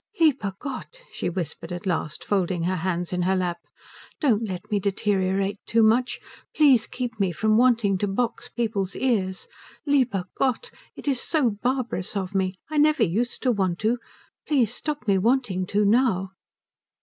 "Lieber Gott," she whispered at last, folding her hands in her lap, "don't let me deteriorate too much. Please keep me from wanting to box people's ears. Lieber Gott, it's so barbarous of me. I never used to want to. Please stop me wanting to now."